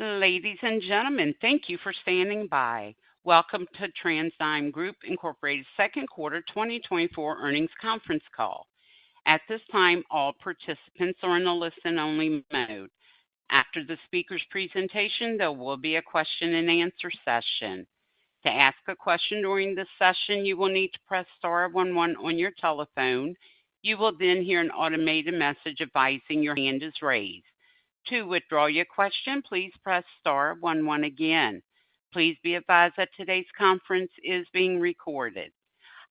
Ladies and gentlemen, thank you for standing by. Welcome to TransDigm Group Incorporated's second quarter 2024 earnings conference call. At this time, all participants are in a listen-only mode. After the speaker's presentation, there will be a question-and-answer session. To ask a question during this session, you will need to press star one one on your telephone. You will then hear an automated message advising your hand is raised. To withdraw your question, please press star one one again. Please be advised that today's conference is being recorded.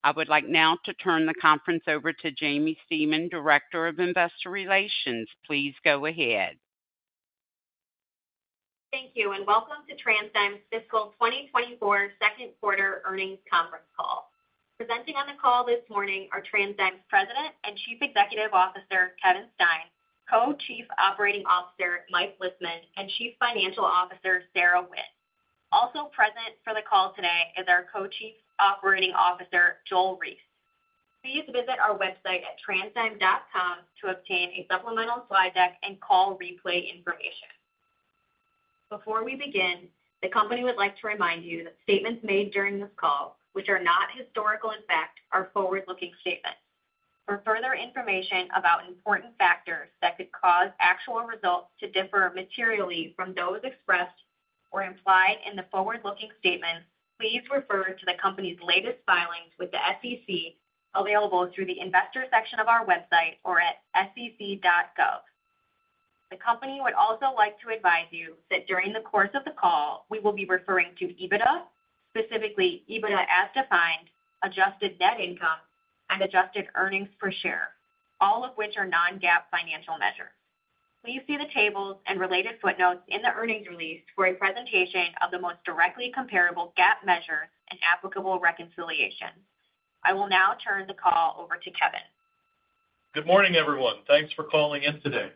I would like now to turn the conference over to Jaimie Seaman, Director of Investor Relations. Please go ahead. Thank you, and welcome to TransDigm's fiscal 2024 second quarter earnings conference call. Presenting on the call this morning are TransDigm's President and Chief Executive Officer, Kevin Stein; Co-Chief Operating Officer, Mike Lisman; and Chief Financial Officer, Sarah Wynne. Also present for the call today is our Co-Chief Operating Officer, Joel Reiss. Please visit our website at transdigm.com to obtain a supplemental slide deck and call replay information. Before we begin, the company would like to remind you that statements made during this call, which are not historical in fact, are forward-looking statements. For further information about important factors that could cause actual results to differ materially from those expressed or implied in the forward-looking statements, please refer to the company's latest filings with the SEC, available through the investor section of our website or at sec.gov. The company would also like to advise you that during the course of the call, we will be referring to EBITDA, specifically EBITDA as defined, adjusted net income, and adjusted earnings per share, all of which are non-GAAP financial measures. Please see the tables and related footnotes in the earnings release for a presentation of the most directly comparable GAAP measure and applicable reconciliation. I will now turn the call over to Kevin. Good morning, everyone. Thanks for calling in today.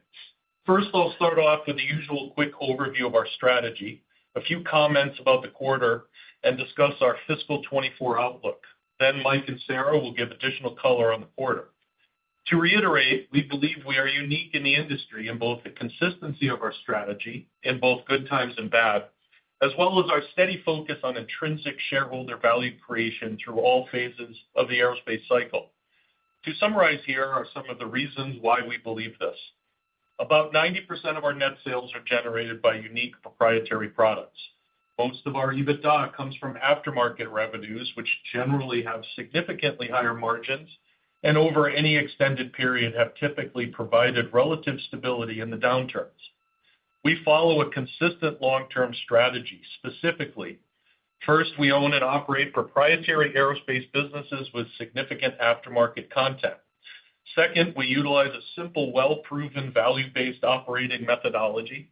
First, I'll start off with the usual quick overview of our strategy, a few comments about the quarter, and discuss our fiscal 2024 outlook. Then Mike and Sarah will give additional color on the quarter. To reiterate, we believe we are unique in the industry in both the consistency of our strategy, in both good times and bad, as well as our steady focus on intrinsic shareholder value creation through all phases of the aerospace cycle. To summarize, here are some of the reasons why we believe this. About 90% of our net sales are generated by unique proprietary products. Most of our EBITDA comes from aftermarket revenues, which generally have significantly higher margins and over any extended period, have typically provided relative stability in the downturns. We follow a consistent long-term strategy, specifically: first, we own and operate proprietary aerospace businesses with significant aftermarket content. Second, we utilize a simple, well-proven, value-based operating methodology.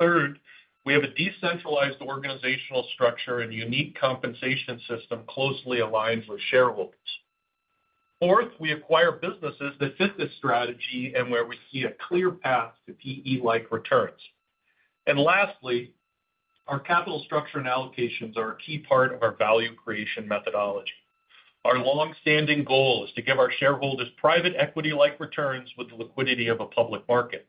Third, we have a decentralized organizational structure and unique compensation system closely aligned with shareholders. Fourth, we acquire businesses that fit this strategy and where we see a clear path to PE-like returns. And lastly, our capital structure and allocations are a key part of our value creation methodology. Our long-standing goal is to give our shareholders private equity-like returns with the liquidity of a public market.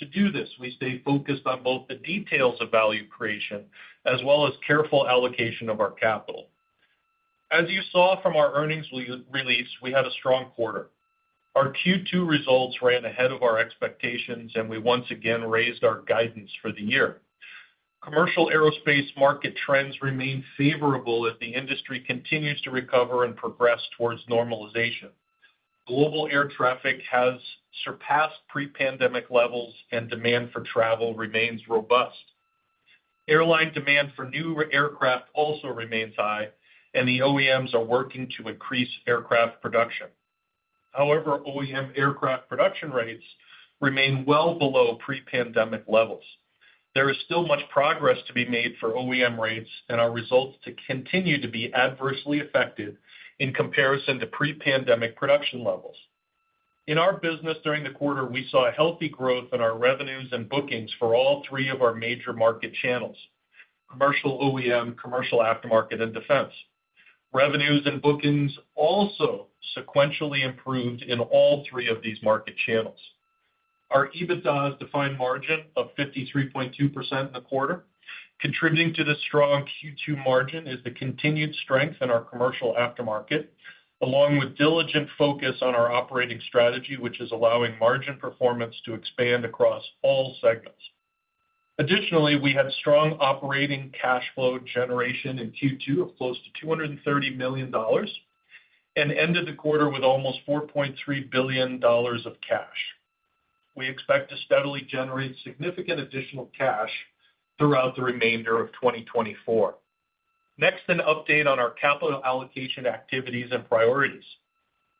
To do this, we stay focused on both the details of value creation as well as careful allocation of our capital. As you saw from our earnings release, we had a strong quarter. Our Q2 results ran ahead of our expectations, and we once again raised our guidance for the year. Commercial aerospace market trends remain favorable as the industry continues to recover and progress towards normalization. Global air traffic has surpassed pre-pandemic levels, and demand for travel remains robust. Airline demand for new aircraft also remains high, and the OEMs are working to increase aircraft production. However, OEM aircraft production rates remain well below pre-pandemic levels. There is still much progress to be made for OEM rates and our results to continue to be adversely affected in comparison to pre-pandemic production levels. In our business during the quarter, we saw a healthy growth in our revenues and bookings for all three of our major market channels: commercial OEM, commercial aftermarket, and defense. Revenues and bookings also sequentially improved in all three of these market channels. Our EBITDA as defined margin of 53.2% in the quarter. Contributing to this strong Q2 margin is the continued strength in our commercial aftermarket, along with diligent focus on our operating strategy, which is allowing margin performance to expand across all segments. Additionally, we had strong operating cash flow generation in Q2 of close to $230 million and ended the quarter with almost $4.3 billion of cash. We expect to steadily generate significant additional cash throughout the remainder of 2024. Next, an update on our capital allocation activities and priorities.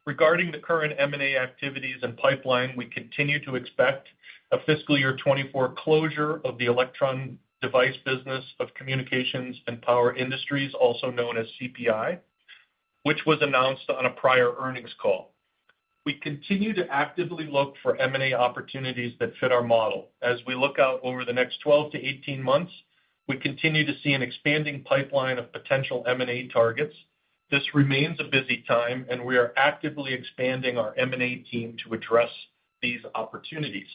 Regarding the current M&A activities and pipeline, we continue to expect a fiscal year 2024 closure of the Electron Device Business of Communications & Power Industries, also known as CPI, which was announced on a prior earnings call. We continue to actively look for M&A opportunities that fit our model. As we look out over the next 12-18 months. We continue to see an expanding pipeline of potential M&A targets. This remains a busy time, and we are actively expanding our M&A team to address these opportunities.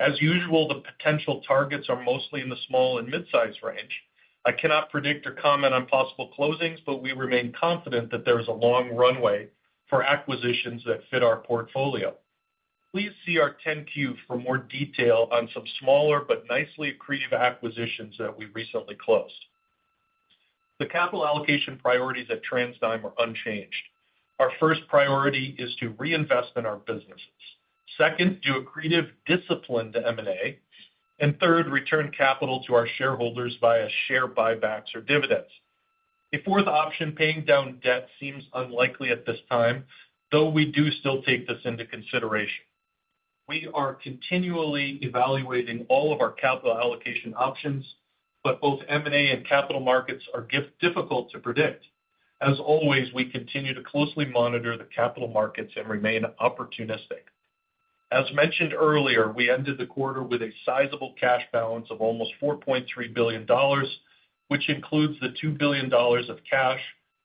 As usual, the potential targets are mostly in the small and mid-size range. I cannot predict or comment on possible closings, but we remain confident that there is a long runway for acquisitions that fit our portfolio. Please see our 10-Q for more detail on some smaller but nicely accretive acquisitions that we recently closed. The capital allocation priorities at TransDigm are unchanged. Our first priority is to reinvest in our businesses. Second, do accretive discipline to M&A, and third, return capital to our shareholders via share buybacks or dividends. A fourth option, paying down debt, seems unlikely at this time, though we do still take this into consideration. We are continually evaluating all of our capital allocation options, but both M&A and capital markets are difficult to predict. As always, we continue to closely monitor the capital markets and remain opportunistic. As mentioned earlier, we ended the quarter with a sizable cash balance of almost $4.3 billion, which includes the $2 billion of cash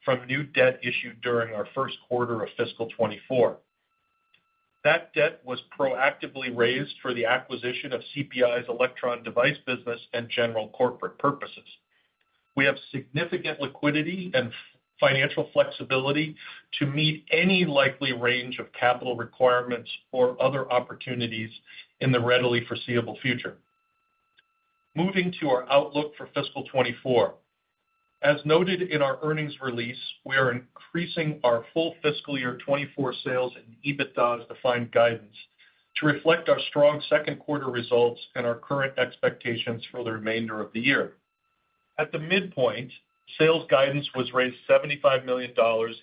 from new debt issued during our first quarter of fiscal 2024. That debt was proactively raised for the acquisition of CPI's electron device business and general corporate purposes. We have significant liquidity and financial flexibility to meet any likely range of capital requirements or other opportunities in the readily foreseeable future. Moving to our outlook for fiscal 2024. As noted in our earnings release, we are increasing our full fiscal year 2024 sales and EBITDA as defined guidance to reflect our strong second quarter results and our current expectations for the remainder of the year. At the midpoint, sales guidance was raised $75 million,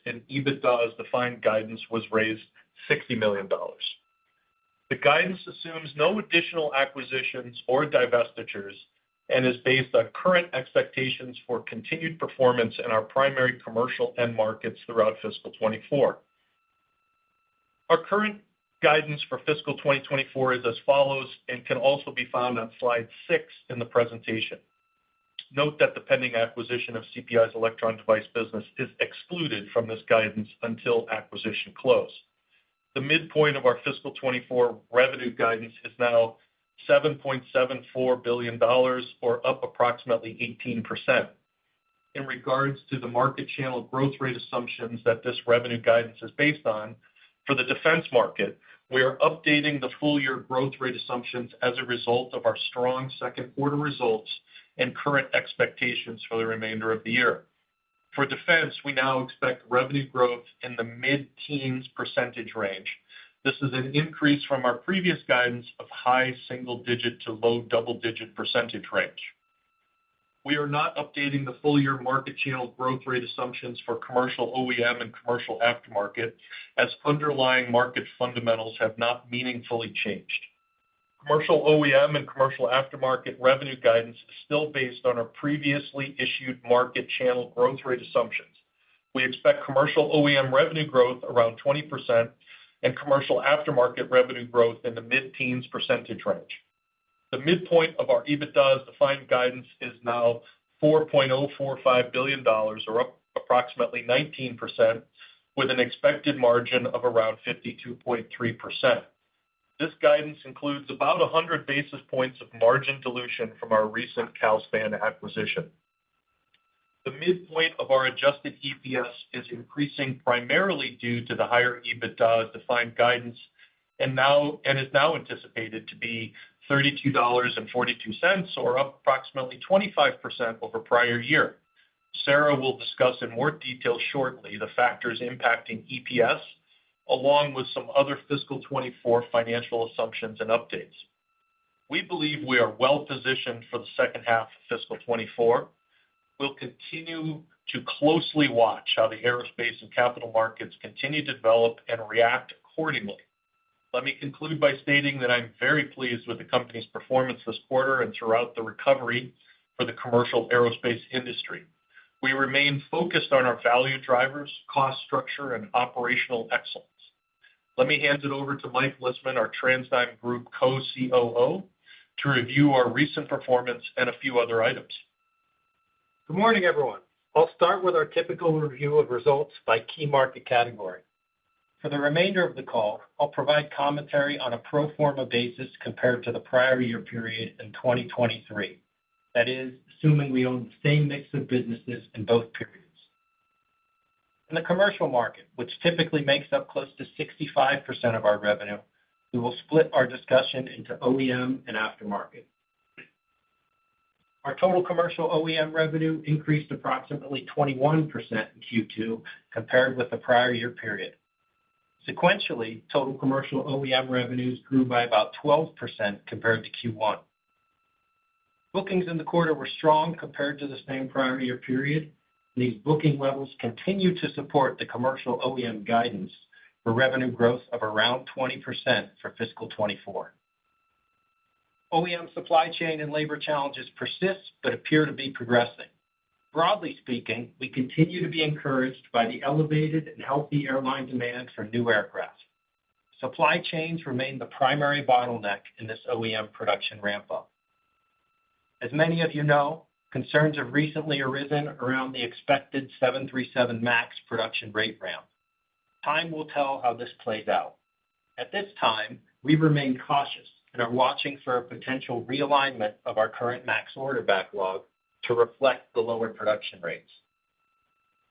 and EBITDA as defined guidance was raised $60 million. The guidance assumes no additional acquisitions or divestitures and is based on current expectations for continued performance in our primary commercial end markets throughout fiscal 2024. Our current guidance for fiscal 2024 is as follows, and can also be found on slide 6 in the presentation. Note that the pending acquisition of CPI's Electron Device Business is excluded from this guidance until acquisition close. The midpoint of our fiscal 2024 revenue guidance is now $7.74 billion, or up approximately 18%. In regards to the market channel growth rate assumptions that this revenue guidance is based on, for the defense market, we are updating the full year growth rate assumptions as a result of our strong second quarter results and current expectations for the remainder of the year. For defense, we now expect revenue growth in the mid-teens % range. This is an increase from our previous guidance of high single-digit to low double-digit % range. We are not updating the full year market channel growth rate assumptions for commercial OEM and commercial aftermarket, as underlying market fundamentals have not meaningfully changed. Commercial OEM and commercial aftermarket revenue guidance is still based on our previously issued market channel growth rate assumptions. We expect commercial OEM revenue growth around 20% and commercial aftermarket revenue growth in the mid-teens % range. The midpoint of our EBITDA as defined guidance is now $4.045 billion, or up approximately 19%, with an expected margin of around 52.3%. This guidance includes about 100 basis points of margin dilution from our recent Calspan acquisition. The midpoint of our adjusted EPS is increasing primarily due to the higher EBITDA as defined guidance, and is now anticipated to be $32.42, or up approximately 25% over prior year. Sarah will discuss in more detail shortly the factors impacting EPS, along with some other fiscal 2024 financial assumptions and updates. We believe we are well positioned for the second half of fiscal 2024. We'll continue to closely watch how the aerospace and capital markets continue to develop and react accordingly. Let me conclude by stating that I'm very pleased with the company's performance this quarter and throughout the recovery for the commercial aerospace industry. We remain focused on our value drivers, cost structure, and operational excellence. Let me hand it over to Mike Lisman, our TransDigm Group Co-COO, to review our recent performance and a few other items. Good morning, everyone. I'll start with our typical review of results by key market category. For the remainder of the call, I'll provide commentary on a pro forma basis compared to the prior year period in 2023. That is, assuming we own the same mix of businesses in both periods. In the commercial market, which typically makes up close to 65% of our revenue, we will split our discussion into OEM and aftermarket. Our total commercial OEM revenue increased approximately 21% in Q2 compared with the prior year period. Sequentially, total commercial OEM revenues grew by about 12% compared to Q1. Bookings in the quarter were strong compared to the same prior year period, and these booking levels continue to support the commercial OEM guidance for revenue growth of around 20% for fiscal 2024. OEM supply chain and labor challenges persist, but appear to be progressing. Broadly speaking, we continue to be encouraged by the elevated and healthy airline demand for new aircraft... Supply chains remain the primary bottleneck in this OEM production ramp-up. As many of you know, concerns have recently arisen around the expected 737 MAX production rate ramp. Time will tell how this plays out. At this time, we remain cautious and are watching for a potential realignment of our current MAX order backlog to reflect the lower production rates.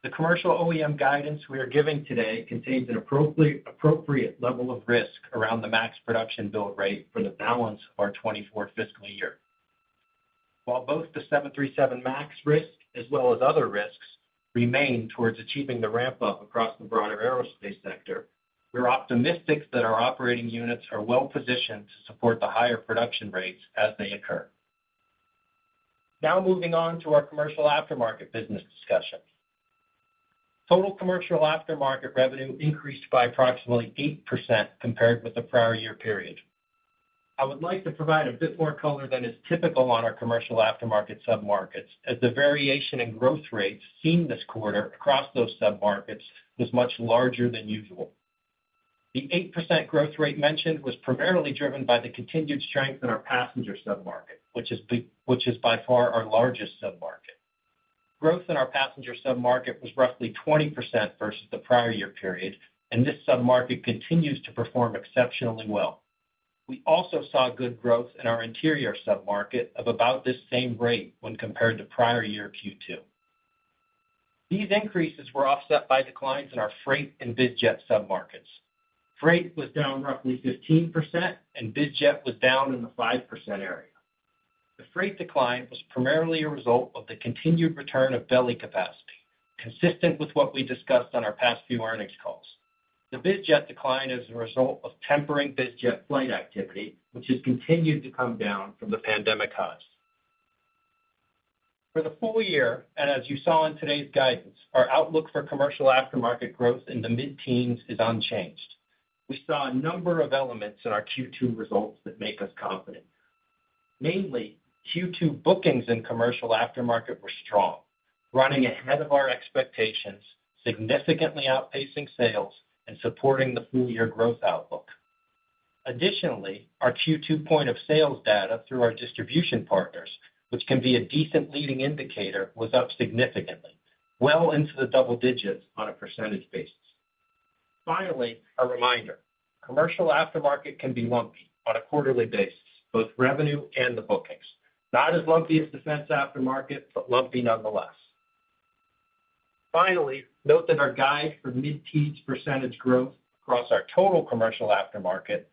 The commercial OEM guidance we are giving today contains an appropriate level of risk around the MAX production build rate for the balance of our 2024 fiscal year. While both the 737 MAX risk, as well as other risks, remain towards achieving the ramp-up across the broader aerospace sector, we're optimistic that our operating units are well positioned to support the higher production rates as they occur. Now, moving on to our commercial aftermarket business discussion. Total commercial aftermarket revenue increased by approximately 8% compared with the prior year period. I would like to provide a bit more color than is typical on our commercial aftermarket submarkets, as the variation in growth rates seen this quarter across those submarkets was much larger than usual. The 8% growth rate mentioned was primarily driven by the continued strength in our passenger submarket, which is by far our largest submarket. Growth in our passenger submarket was roughly 20% versus the prior year period, and this submarket continues to perform exceptionally well. We also saw good growth in our interior submarket of about this same rate when compared to prior year Q2. These increases were offset by declines in our freight and biz jet submarkets. Freight was down roughly 15%, and biz jet was down in the 5% area. The freight decline was primarily a result of the continued return of belly capacity, consistent with what we discussed on our past few earnings calls. The biz jet decline is a result of tempering biz jet flight activity, which has continued to come down from the pandemic highs. For the full year, and as you saw in today's guidance, our outlook for commercial aftermarket growth in the mid-teens% is unchanged. We saw a number of elements in our Q2 results that make us confident. Mainly, Q2 bookings in commercial aftermarket were strong, running ahead of our expectations, significantly outpacing sales, and supporting the full year growth outlook. Additionally, our Q2 point of sales data through our distribution partners, which can be a decent leading indicator, was up significantly, well into the double digits on a percentage basis. Finally, a reminder, commercial aftermarket can be lumpy on a quarterly basis, both revenue and the bookings. Not as lumpy as defense aftermarket, but lumpy nonetheless. Finally, note that our guide for mid-teens % growth across our total commercial aftermarket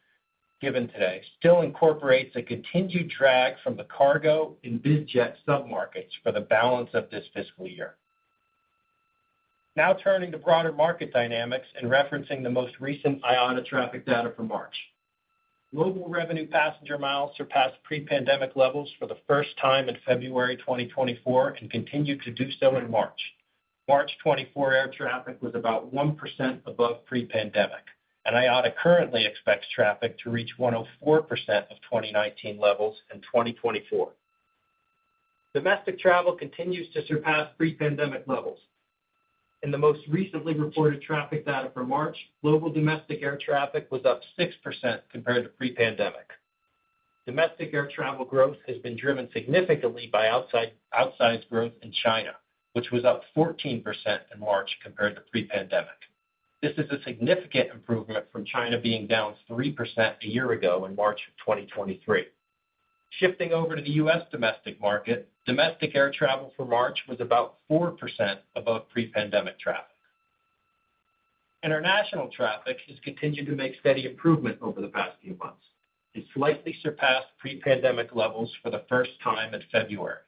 given today still incorporates a continued drag from the cargo and biz jet submarkets for the balance of this fiscal year. Now, turning to broader market dynamics and referencing the most recent IATA traffic data for March. Global revenue passenger miles surpassed pre-pandemic levels for the first time in February 2024 and continued to do so in March. March 2024 air traffic was about 1% above pre-pandemic, and IATA currently expects traffic to reach 104% of 2019 levels in 2024. Domestic travel continues to surpass pre-pandemic levels. In the most recently reported traffic data for March, global domestic air traffic was up 6% compared to pre-pandemic. Domestic air travel growth has been driven significantly by outsized growth in China, which was up 14% in March compared to pre-pandemic. This is a significant improvement from China being down 3% a year ago in March of 2023. Shifting over to the U.S. domestic market, domestic air travel for March was about 4% above pre-pandemic traffic. International traffic has continued to make steady improvement over the past few months. It slightly surpassed pre-pandemic levels for the first time in February.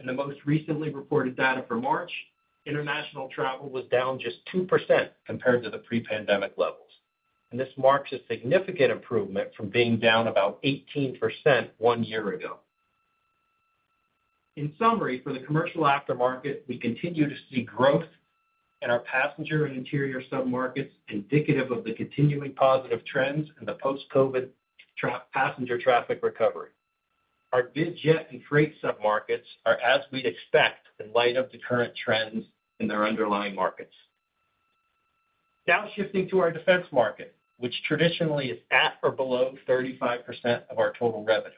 In the most recently reported data for March, international travel was down just 2% compared to the pre-pandemic levels, and this marks a significant improvement from being down about 18% one year ago. In summary, for the commercial aftermarket, we continue to see growth in our passenger and interior submarkets, indicative of the continuing positive trends in the post-COVID passenger traffic recovery. Our biz jet and freight submarkets are as we'd expect in light of the current trends in their underlying markets. Now, shifting to our defense market, which traditionally is at or below 35% of our total revenue.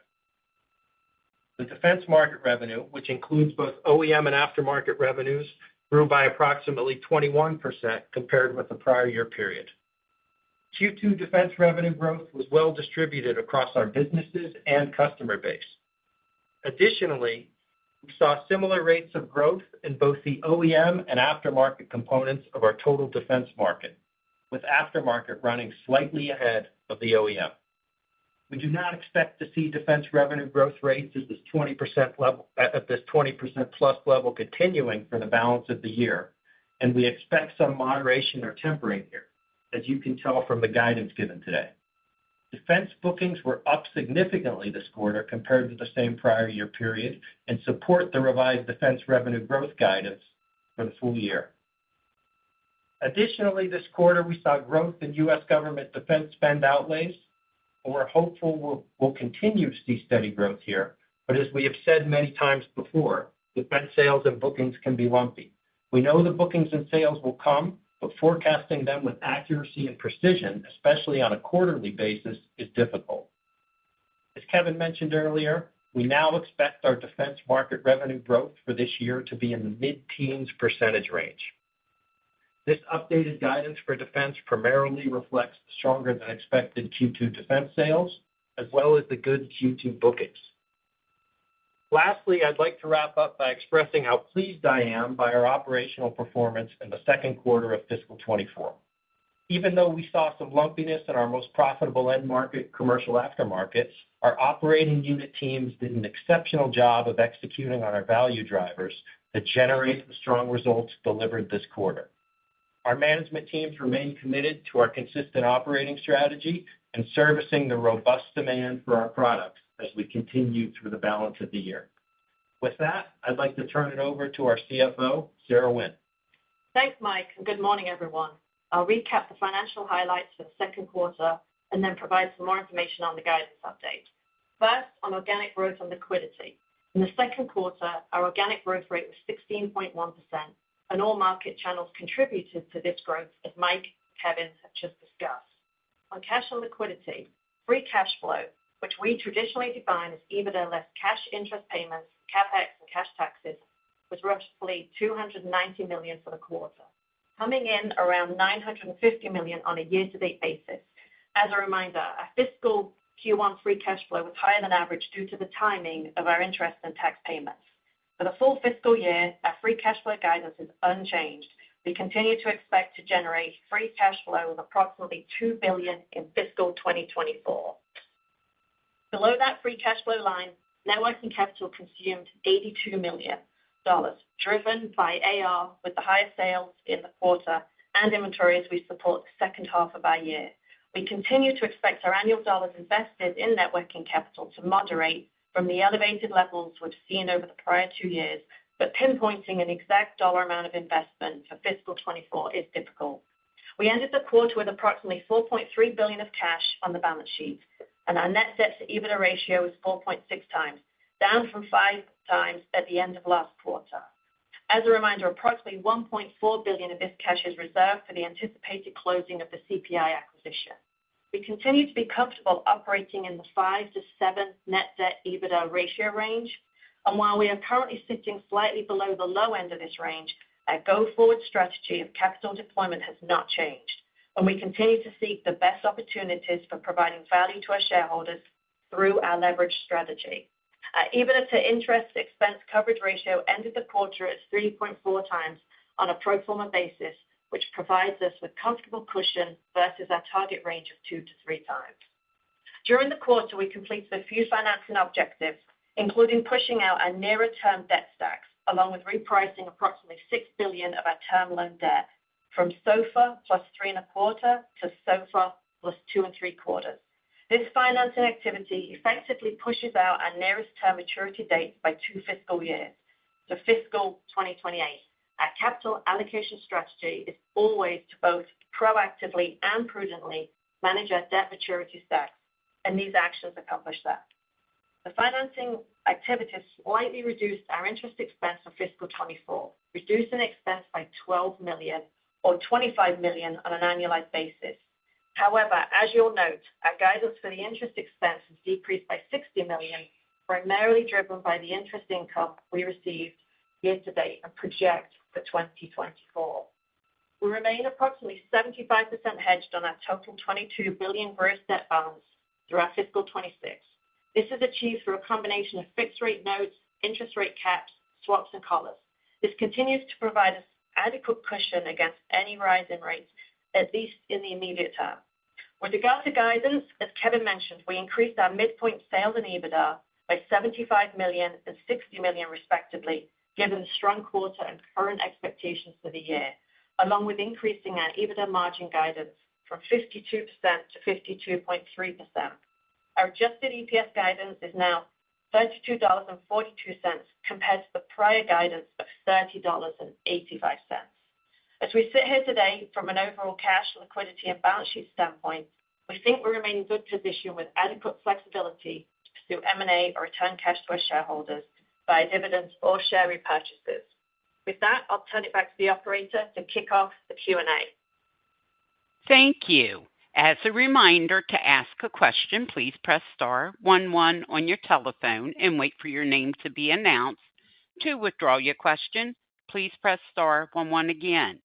The defense market revenue, which includes both OEM and aftermarket revenues, grew by approximately 21% compared with the prior year period. Q2 defense revenue growth was well distributed across our businesses and customer base. Additionally, we saw similar rates of growth in both the OEM and aftermarket components of our total defense market, with aftermarket running slightly ahead of the OEM. We do not expect to see defense revenue growth rates at this 20% level, at this 20%+ level continuing for the balance of the year, and we expect some moderation or tempering here, as you can tell from the guidance given today. Defense bookings were up significantly this quarter compared to the same prior year period and support the revised defense revenue growth guidance for the full year. Additionally, this quarter, we saw growth in US government defense spend outlays, and we're hopeful we'll continue to see steady growth here. But as we have said many times before, defense sales and bookings can be lumpy. We know the bookings and sales will come, but forecasting them with accuracy and precision, especially on a quarterly basis, is difficult. As Kevin mentioned earlier, we now expect our defense market revenue growth for this year to be in the mid-teens % range. This updated guidance for defense primarily reflects stronger than expected Q2 defense sales, as well as the good Q2 bookings. Lastly, I'd like to wrap up by expressing how pleased I am by our operational performance in the second quarter of fiscal 2024. Even though we saw some lumpiness in our most profitable end market, commercial aftermarkets, our operating unit teams did an exceptional job of executing on our value drivers that generate the strong results delivered this quarter. Our management teams remain committed to our consistent operating strategy and servicing the robust demand for our products as we continue through the balance of the year. With that, I'd like to turn it over to our CFO, Sarah Wynne. Thanks, Mike, and good morning, everyone. I'll recap the financial highlights for the second quarter and then provide some more information on the guidance update. First, on organic growth and liquidity. In the second quarter, our organic growth rate was 16.1%, and all market channels contributed to this growth, as Mike and Kevin have just discussed. On cash and liquidity, free cash flow, which we traditionally define as EBITDA less cash interest payments, CapEx, and cash taxes, was roughly $290 million for the quarter, coming in around $950 million on a year-to-date basis. As a reminder, our fiscal Q1 free cash flow was higher than average due to the timing of our interest and tax payments. For the full fiscal year, our free cash flow guidance is unchanged. We continue to expect to generate free cash flow of approximately $2 billion in fiscal 2024. Below that free cash flow line, net working capital consumed $82 million, driven by AR, with the highest sales in the quarter and inventory as we support the second half of our year. We continue to expect our annual dollars invested in net working capital to moderate from the elevated levels we've seen over the prior two years, but pinpointing an exact dollar amount of investment for fiscal 2024 is difficult. We ended the quarter with approximately $4.3 billion of cash on the balance sheet, and our net debt to EBITDA ratio was 4.6 times, down from 5 times at the end of last quarter. As a reminder, approximately $1.4 billion of this cash is reserved for the anticipated closing of the CPI acquisition. We continue to be comfortable operating in the 5-7 net debt/EBITDA ratio range, and while we are currently sitting slightly below the low end of this range, our go-forward strategy of capital deployment has not changed, and we continue to seek the best opportunities for providing value to our shareholders through our leverage strategy. Our EBITDA to interest expense coverage ratio ended the quarter at 3.4 times on a pro forma basis, which provides us with comfortable cushion versus our target range of 2-3 times. During the quarter, we completed a few financing objectives, including pushing out our nearer-term debt stacks, along with repricing approximately $6 billion of our term loan debt from SOFR + 3.25 to SOFR + 2.75. This financing activity effectively pushes out our nearest term maturity date by two fiscal years to fiscal 2028. Our capital allocation strategy is always to both proactively and prudently manage our debt maturity stacks, and these actions accomplish that. The financing activities slightly reduced our interest expense for fiscal 2024, reducing expense by $12 million or $25 million on an annualized basis. However, as you'll note, our guidance for the interest expense has decreased by $60 million, primarily driven by the interest income we received year-to-date and project for 2024. We remain approximately 75% hedged on our total $22 billion gross debt balance through our fiscal 2026. This is achieved through a combination of fixed rate notes, interest rate caps, swaps, and collars. This continues to provide us adequate cushion against any rise in rates, at least in the immediate term. With regards to guidance, as Kevin mentioned, we increased our midpoint sales and EBITDA by $75 million and $60 million, respectively, given the strong quarter and current expectations for the year, along with increasing our EBITDA margin guidance from 52%-52.3%. Our adjusted EPS guidance is now $32.42, compared to the prior guidance of $30.85. As we sit here today, from an overall cash, liquidity, and balance sheet standpoint, we think we remain in good position with adequate flexibility to do M&A or return cash to our shareholders via dividends or share repurchases. With that, I'll turn it back to the operator to kick off the Q&A. Thank you. As a reminder, to ask a question, please press star one one on your telephone and wait for your name to be announced. To withdraw your question, please press star one one again.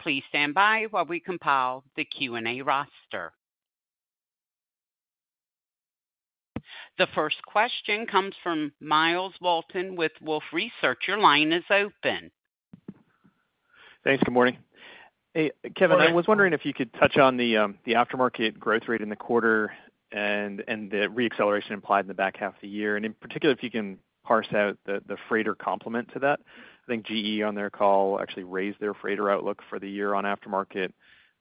Please stand by while we compile the Q&A roster. The first question comes from Myles Walton with Wolfe Research. Your line is open. Thanks. Good morning. Hey, Kevin, I was wondering if you could touch on the aftermarket growth rate in the quarter and the re-acceleration implied in the back half of the year, and in particular, if you can parse out the freighter complement to that. I think GE, on their call, actually raised their freighter outlook for the year on aftermarket.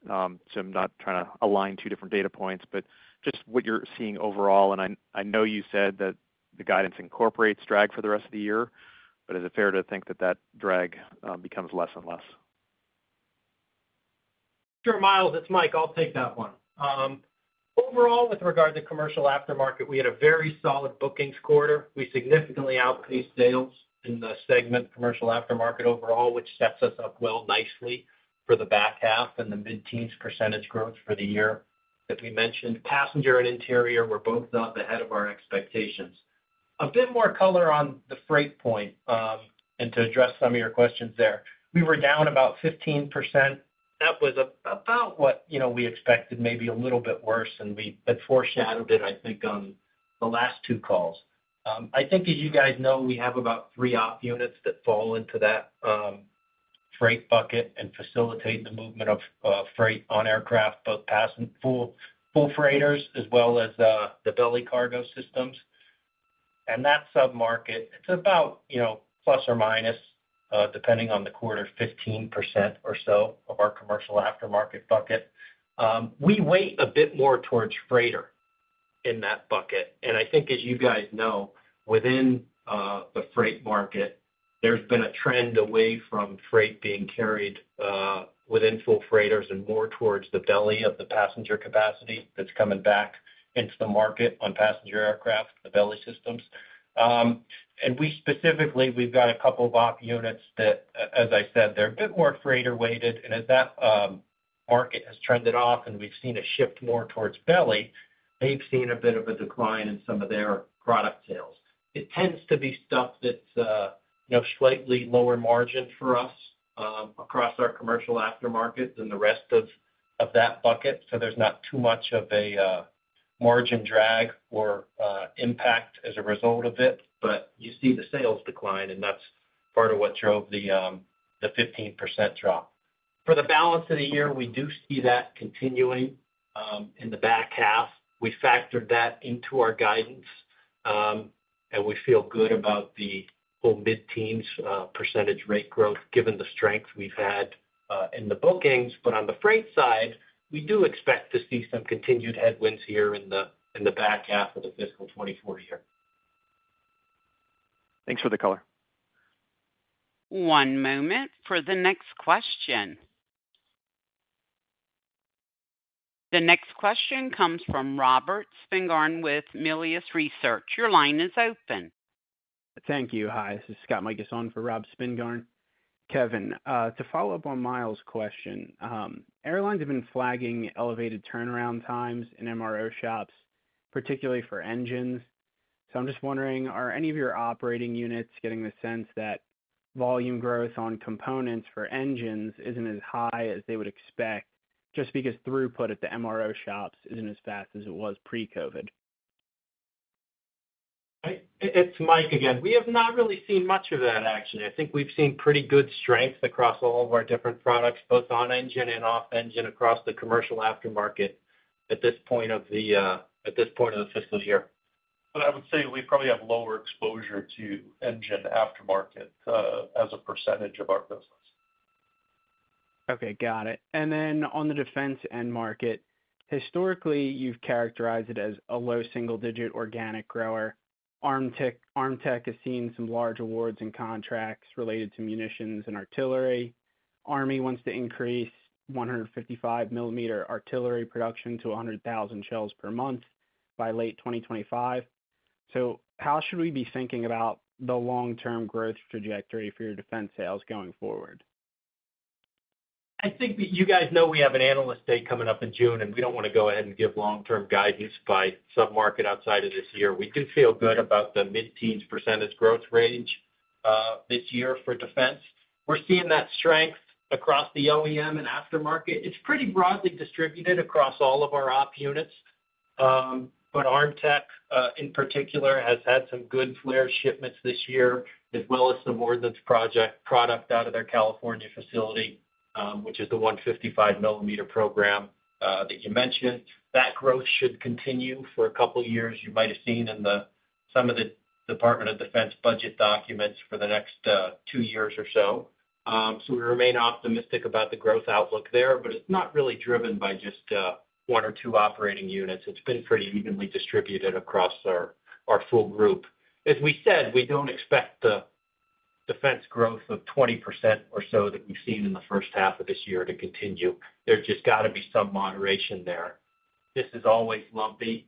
So I'm not trying to align two different data points, but just what you're seeing overall, and I know you said that the guidance incorporates drag for the rest of the year, but is it fair to think that that drag becomes less and less? Sure, Myles, it's Mike. I'll take that one. Overall, with regard to commercial aftermarket, we had a very solid bookings quarter. We significantly outpaced sales in the segment commercial aftermarket overall, which sets us up well nicely for the back half and the mid-teens % growth for the year that we mentioned. Passenger and interior were both not ahead of our expectations. A bit more color on the freight point, and to address some of your questions there. We were down about 15%. That was about what, you know, we expected, maybe a little bit worse, and we had foreshadowed it, I think, on the last two calls. I think as you guys know, we have about 3 op units that fall into that freight bucket and facilitate the movement of freight on aircraft, both full freighters, as well as the belly cargo systems. That sub-market, it's about, you know, ±, depending on the quarter, 15% or so of our commercial aftermarket bucket. We weigh a bit more towards freighter in that bucket, and I think as you guys know, within the freight market, there's been a trend away from freight being carried within full freighters and more towards the belly of the passenger capacity that's coming back into the market on passenger aircraft, the belly systems. And we specifically, we've got a couple of op units that, as I said, they're a bit more freighter-weighted, and as that market has trended off and we've seen it shift more towards belly, they've seen a bit of a decline in some of their product sales. It tends to be stuff that's, you know, slightly lower margin for us, across our commercial aftermarket than the rest of that bucket, so there's not too much of a margin drag or impact as a result of it, but you see the sales decline, and that's part of what drove the 15% drop. For the balance of the year, we do see that continuing in the back half. We factored that into our guidance, and we feel good about the whole mid-teens % rate growth, given the strength we've had in the bookings. But on the freight side, we do expect to see some continued headwinds here in the back half of the fiscal 2024 year. Thanks for the color. One moment for the next question. The next question comes from Robert Spingarn with Melius Research. Your line is open. Thank you. Hi, this is Scott Mikus for Robert Spingarn. Kevin, to follow up on Myles' question, airlines have been flagging elevated turnaround times in MRO shops, particularly for engines. So I'm just wondering, are any of your operating units getting the sense that volume growth on components for engines isn't as high as they would expect, just because throughput at the MRO shops isn't as fast as it was pre-COVID? It's Mike again. We have not really seen much of that, actually. I think we've seen pretty good strength across all of our different products, both on-engine and off-engine, across the commercial aftermarket at this point of the fiscal year. But I would say we probably have lower exposure to engine aftermarket, as a percentage of our business. Okay, got it. Then on the defense end market, historically, you've characterized it as a low single-digit organic grower. Armtec, Armtec has seen some large awards and contracts related to munitions and artillery. Army wants to increase 155 millimeter artillery production to 100,000 shells per month by late 2025. So how should we be thinking about the long-term growth trajectory for your defense sales going forward? I think that you guys know we have an Analyst Day coming up in June, and we don't wanna go ahead and give long-term guidance by submarket outside of this year. We do feel good about the mid-teens % growth range this year for defense. We're seeing that strength across the OEM and aftermarket. It's pretty broadly distributed across all of our op units, but Armtec, in particular, has had some good flare shipments this year, as well as some ordnance product out of their California facility, which is the 155-millimeter program that you mentioned. That growth should continue for a couple years. You might have seen in some of the Department of Defense budget documents for the next two years or so. So we remain optimistic about the growth outlook there, but it's not really driven by just one or two operating units. It's been pretty evenly distributed across our full group. As we said, we don't expect the defense growth of 20% or so that we've seen in the first half of this year to continue. There's just gotta be some moderation there. This is always lumpy.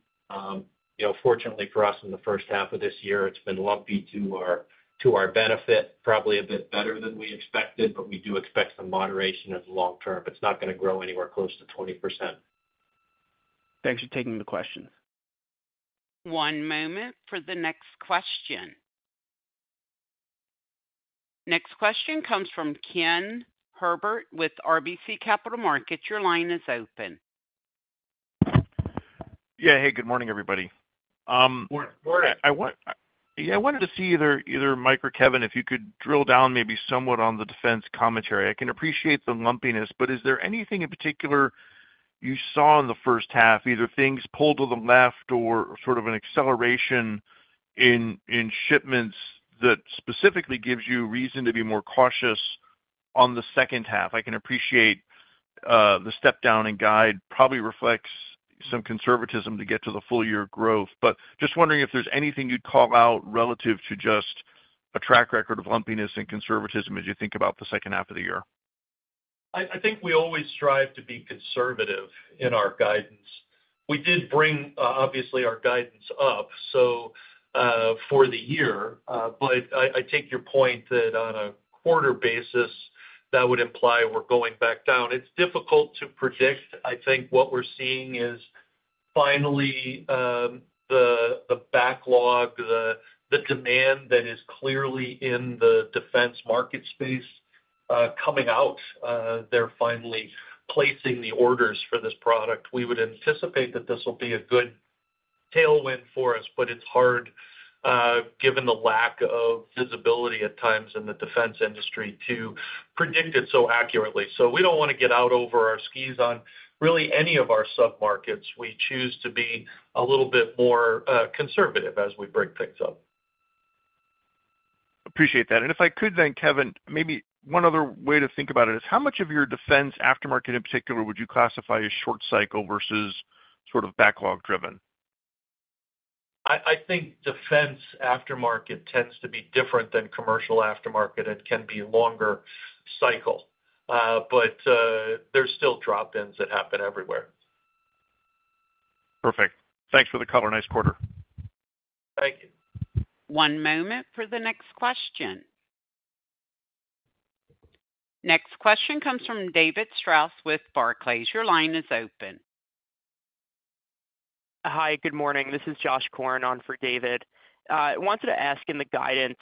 You know, fortunately for us, in the first half of this year, it's been lumpy to our benefit, probably a bit better than we expected, but we do expect some moderation as long term. It's not gonna grow anywhere close to 20%. Thanks for taking the questions. One moment for the next question. Next question comes from Ken Herbert with RBC Capital Markets. Your line is open. Yeah. Hey, good morning, everybody. Morning. Morning. I wanted to see either Mike or Kevin, if you could drill down maybe somewhat on the defense commentary. I can appreciate the lumpiness, but is there anything in particular you saw in the first half, either things pulled to the left or sort of an acceleration in shipments that specifically gives you reason to be more cautious on the second half? I can appreciate the step down in guide probably reflects some conservatism to get to the full year growth. But just wondering if there's anything you'd call out relative to just a track record of lumpiness and conservatism as you think about the second half of the year? I think we always strive to be conservative in our guidance. We did bring obviously our guidance up, so for the year. But I take your point that on a quarter basis, that would imply we're going back down. It's difficult to predict. I think what we're seeing is finally the backlog, the demand that is clearly in the defense market space coming out. They're finally placing the orders for this product. We would anticipate that this will be a good tailwind for us, but it's hard, given the lack of visibility at times in the defense industry, to predict it so accurately. So we don't want to get out over our skis on really any of our submarkets. We choose to be a little bit more conservative as we break things up. Appreciate that. If I could then, Kevin, maybe one other way to think about it is how much of your defense aftermarket, in particular, would you classify as short cycle versus sort of backlog driven? I think defense aftermarket tends to be different than commercial aftermarket. It can be longer cycle, but there's still drop-ins that happen everywhere. Perfect. Thanks for the color. Nice quarter. Thank you. One moment for the next question. Next question comes from David Strauss with Barclays. Your line is open. Hi, good morning. This is Josh Korn on for David. I wanted to ask in the guidance,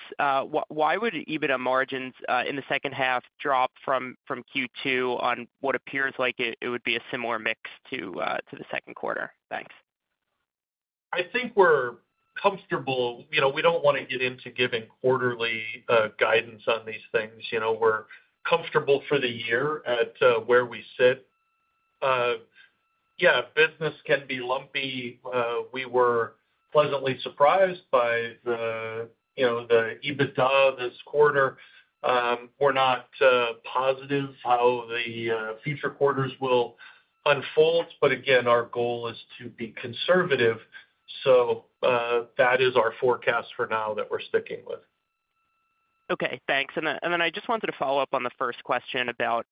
why would EBITDA margins in the second half drop from Q2 on what appears like it would be a similar mix to the second quarter? Thanks. I think we're comfortable. You know, we don't want to get into giving quarterly guidance on these things. You know, we're comfortable for the year at where we sit. Yeah, business can be lumpy. We were pleasantly surprised by the, you know, the EBITDA this quarter. We're not positive how the future quarters will unfold but again, our goal is to be conservative. So, that is our forecast for now that we're sticking with. Okay, thanks. And then, and then I just wanted to follow up on the first question about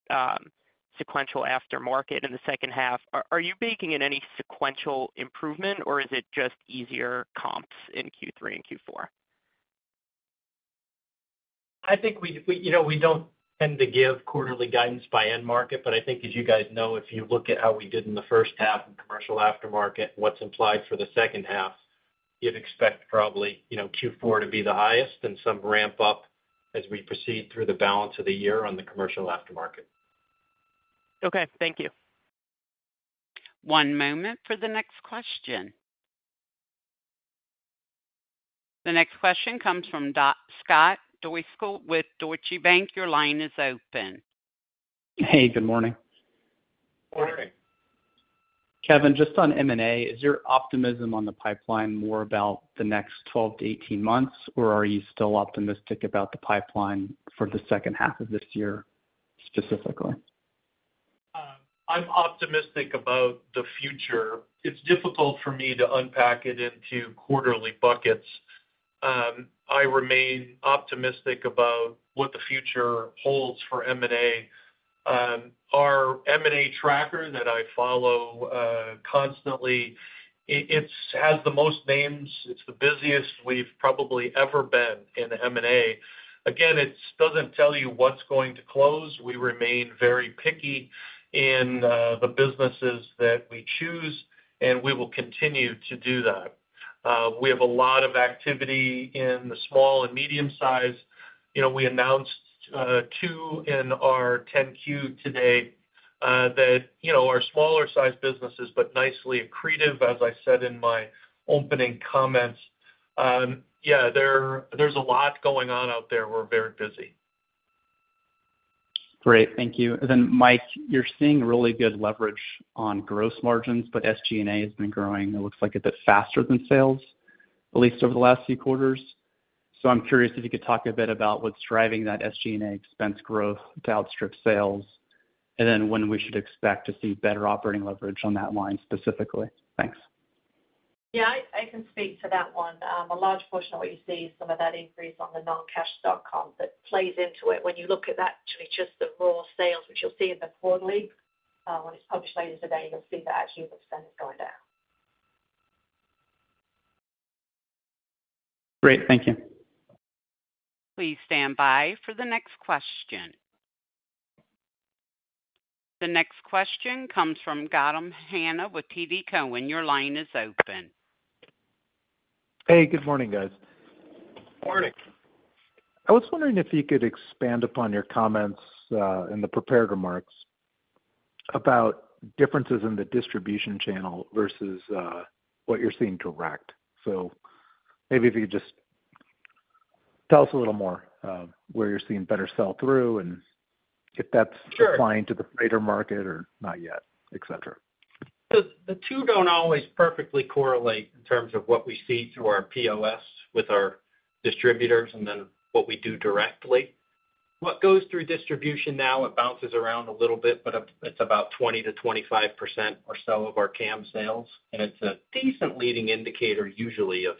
sequential aftermarket in the second half. Are you baking in any sequential improvement, or is it just easier comps in Q3 and Q4? I think we, you know, we don't tend to give quarterly guidance by end market, but I think as you guys know, if you look at how we did in the first half in commercial aftermarket, what's implied for the second half, you'd expect probably, you know, Q4 to be the highest and some ramp-up as we proceed through the balance of the year on the commercial aftermarket. Okay, thank you. One moment for the next question. The next question comes from Scott Deuschle with Deutsche Bank. Your line is open. Hey, good morning. Morning. Kevin, just on M&A, is your optimism on the pipeline more about the next 12-18 months, or are you still optimistic about the pipeline for the second half of this year, specifically? I'm optimistic about the future. It's difficult for me to unpack it into quarterly buckets. I remain optimistic about what the future holds for M&A. Our M&A tracker that I follow constantly, it has the most names. It's the busiest we've probably ever been in M&A. Again, it doesn't tell you what's going to close. We remain very picky in the businesses that we choose, and we will continue to do that. We have a lot of activity in the small and medium size. You know, we announced two in our 10-Q today that you know are smaller sized businesses, but nicely accretive, as I said in my opening comments. There's a lot going on out there. We're very busy. Great, thank you. Then, Mike, you're seeing really good leverage on gross margins, but SG&A has been growing. It looks like a bit faster than sales, at least over the last few quarters. I'm curious if you could talk a bit about what's driving that SG&A expense growth to outstrip sales, and then when we should expect to see better operating leverage on that line specifically. Thanks. Yeah, I, I can speak to that one. A large portion of what you see, some of that increase on the non-cash comp, that plays into it. When you look at actually just the raw sales, which you'll see in the quarterly, when it's published later today, you'll see the actual is going down. Great, thank you. Please stand by for the next question. The next question comes from Gautam Khanna with TD Cowen. Your line is open. Hey, good morning, guys. Morning. I was wondering if you could expand upon your comments in the prepared remarks about differences in the distribution channel versus what you're seeing direct. So maybe if you could just tell us a little more, where you're seeing better sell through and if that's applying to the freighter market or not yet, et cetera. The two don't always perfectly correlate in terms of what we see through our POS with our distributors and then what we do directly. .What goes through distribution now, it bounces around a little bit, but, it's about 20%-25% or so of our CAM sales. And it's a decent leading indicator, usually, of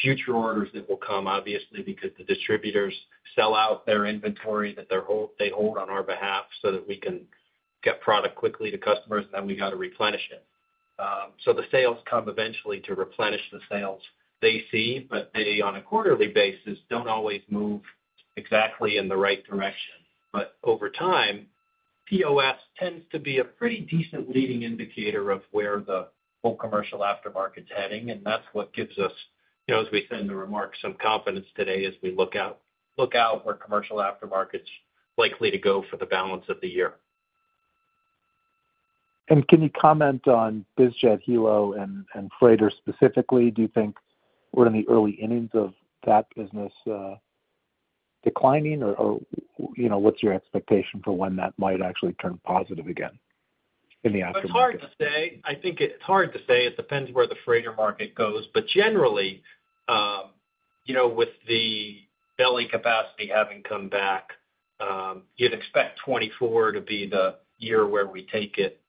future orders that will come, obviously, because the distributors sell out their inventory that they hold on our behalf so that we can get product quickly to customers, then we gotta replenish it. So the sales come eventually to replenish the sales they see, but they, on a quarterly basis, don't always move exactly in the right direction. But over time, POS tends to be a pretty decent leading indicator of where the full commercial aftermarket's heading, and that's what gives us, you know, as we said in the remarks, some confidence today as we look out, look out where commercial aftermarket's likely to go for the balance of the year. Can you comment on biz jet, HELO, and freighter specifically? Do you think we're in the early innings of that business declining? Or you know, what's your expectation for when that might actually turn positive again in the aftermarket? It's hard to say. I think it's hard to say. It depends where the freighter market goes. But generally, you know, with the belly capacity having come back, you'd expect 2024 to be the year where we take it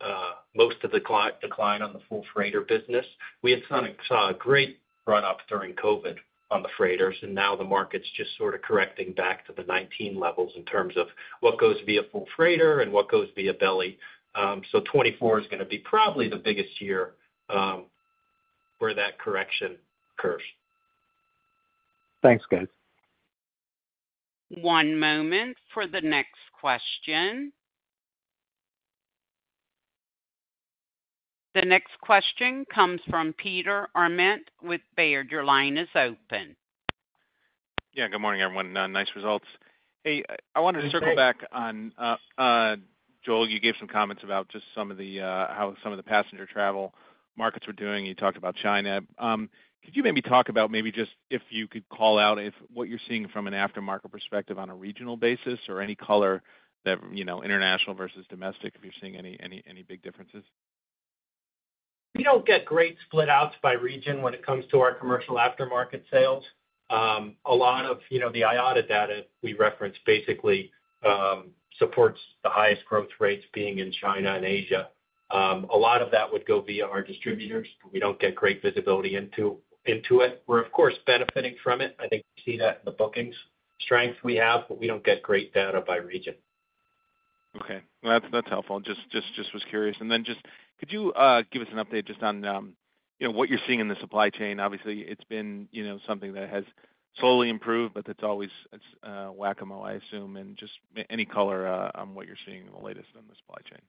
most of the decline on the full freighter business. We saw a great run up during COVID on the freighters, and now the market's just sort of correcting back to the 2019 levels in terms of what goes via full freighter and what goes via belly. So 2024 is gonna be probably the biggest year where that correction occurs. Thanks, guys. One moment for the next question. The next question comes from Peter Arment with Baird. Your line is open. Yeah, good morning, everyone. Nice results. Hey, I wanted to. Hey, Pete. Circle back on Joel, you gave some comments about just some of the how some of the passenger travel markets were doing, you talked about China. Could you maybe talk about maybe just if you could call out if what you're seeing from an aftermarket perspective on a regional basis or any color that, you know, international versus domestic, if you're seeing any big differences? We don't get great split outs by region when it comes to our commercial aftermarket sales. A lot of, you know, the IATA data we reference basically supports the highest growth rates being in China and Asia. A lot of that would go via our distributors. We don't get great visibility into it. We're, of course, benefiting from it. I think you see that in the bookings strength we have, but we don't get great data by region. Okay. Well, that's helpful. Just was curious. And then just, could you give us an update just on, you know, what you're seeing in the supply chain? Obviously, it's been, you know, something that has slowly improved, but it's always whack-a-mole, I assume, and just any color on what you're seeing the latest on the supply chain.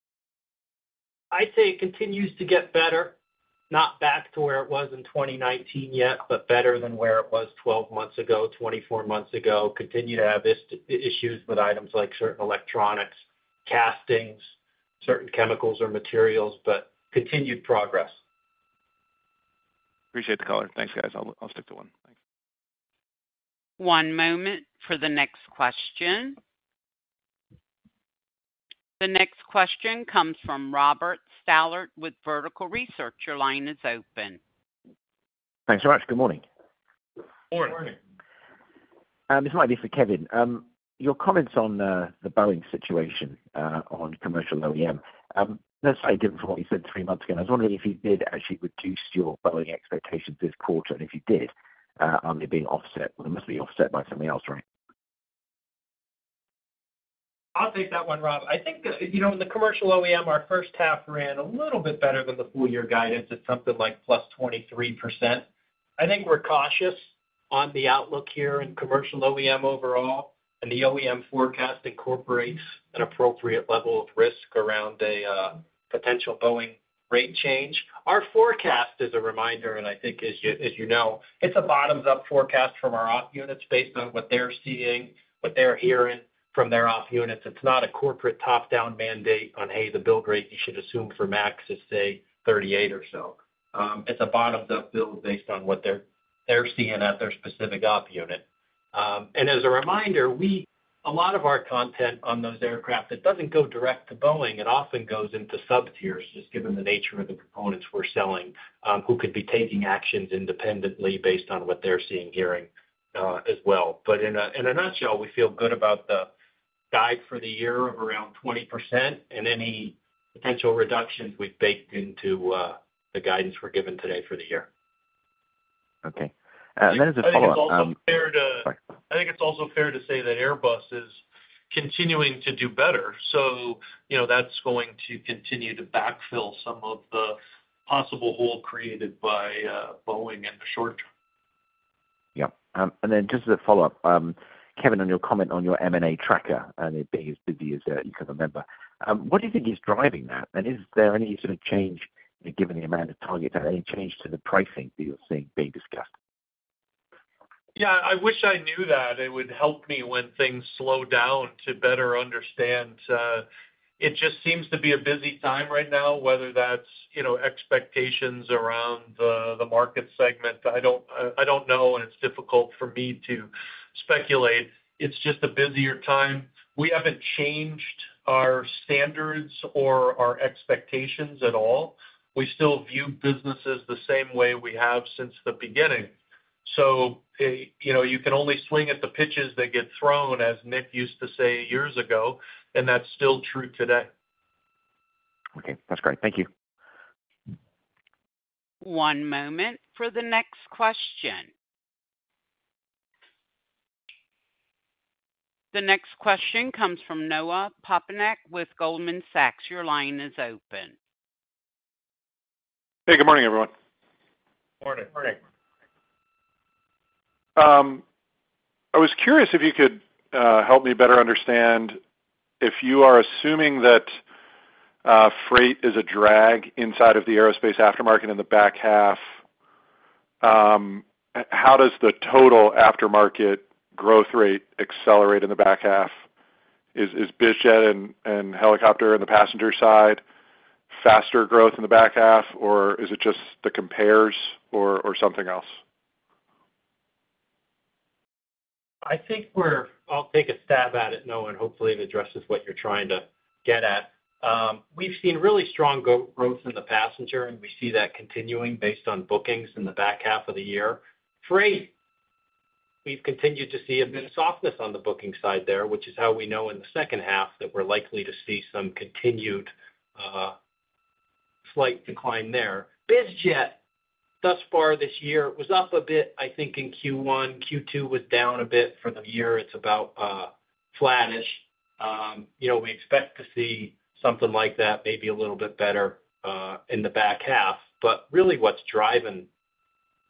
I'd say it continues to get better, not back to where it was in 2019 yet, but better than where it was 12 months ago, 24 months ago. Continue to have issues with items like certain electronics, castings, certain chemicals or materials, but continued progress. Appreciate the color. Thanks, guys. I'll, I'll stick to one. Thanks. One moment for the next question. The next question comes from Robert Stallard with Vertical Research. Your line is open. Thanks so much. Good morning. Morning. Morning. This might be for Kevin. Your comments on the Boeing situation on commercial OEM necessarily different from what you said three months ago. I was wondering if you did actually reduce your Boeing expectations this quarter, and if you did, are they being offset? They must be offset by something else, right? I'll take that one, Rob. I think the, you know, the commercial OEM, our first half ran a little bit better than the full year guidance. It's something like +23%. I think we're cautious on the outlook here in commercial OEM overall, and the OEM forecast incorporates an appropriate level of risk around a potential Boeing rate change. Our forecast, as a reminder, and I think as you, as you know, it's a bottoms-up forecast from our op units based on what they're seeing, what they're hearing from their op units. It's not a corporate top-down mandate on, hey, the build rate you should assume for MAX is, say, 38 or so. It's a bottom-up build based on what they're, they're seeing at their specific op unit. As a reminder, a lot of our content on those aircraft doesn't go direct to Boeing. It often goes into sub-tiers, just given the nature of the components we're selling, who could be taking actions independently based on what they're seeing, hearing, as well. But in a nutshell, we feel good about the guide for the year of around 20%, and any potential reductions we've baked into the guidance we're giving today for the year. Okay. And then, as a follow-up, I think it's also fair to. Sorry. I think it's also fair to say that Airbus is continuing to do better, so you know, that's going to continue to backfill some of the possible hole created by Boeing in the short term. Yeah. And then just as a follow-up, Kevin, on your comment on your M&A tracker and it being as busy as you can remember, what do you think is driving that? And is there any sort of change, given the amount of target, any change to the pricing that you're seeing being discussed? Yeah, I wish I knew that. It would help me when things slow down to better understand. It just seems to be a busy time right now, whether that's, you know, expectations around the market segment. I don't know, and it's difficult for me to speculate. It's just a busier time. We haven't changed our standards or our expectations at all. We still view businesses the same way we have since the beginning. So, you know, you can only swing at the pitches that get thrown, as Nick used to say years ago, and that's still true today. Okay, that's great. Thank you. One moment for the next question. The next question comes from Noah Poponak with Goldman Sachs. Your line is open. Hey, good morning, everyone. Morning. Morning. I was curious if you could help me better understand, if you are assuming that freight is a drag inside of the aerospace aftermarket in the back half, how does the total aftermarket growth rate accelerate in the back half? Is biz jet and helicopter on the passenger side, faster growth in the back half, or is it just the compares or something else? I think I'll take a stab at it, Noah, and hopefully it addresses what you're trying to get at. We've seen really strong growth in the passenger, and we see that continuing based on bookings in the back half of the year. Freight, we've continued to see a bit of softness on the booking side there, which is how we know in the second half that we're likely to see some continued, slight decline there. Biz jet, thus far this year, was up a bit, I think, in Q1. Q2 was down a bit. For the year, it's about, flattish. You know, we expect to see something like that, maybe a little bit better, in the back half. But really what's driving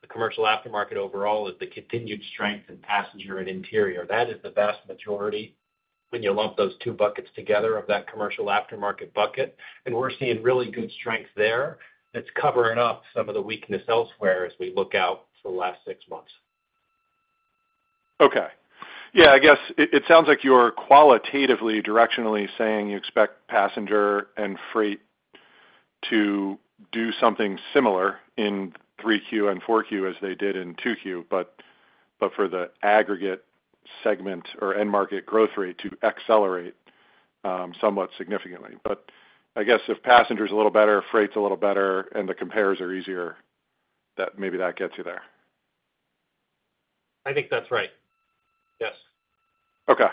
the commercial aftermarket overall is the continued strength in passenger and interior. That is the vast majority, when you lump those two buckets together, of that commercial aftermarket bucket, and we're seeing really good strength there, that's covering up some of the weakness elsewhere as we look out for the last six months. Okay. Yeah, I guess it, it sounds like you're qualitatively, directionally saying you expect passenger and freight to do something similar in 3Q and 4Q as they did in 2Q, but, but for the aggregate segment or end market growth rate to accelerate, somewhat significantly. But I guess if passenger's a little better, freight's a little better, and the compares are easier, that maybe that gets you there. I think that's right. Yes. Okay.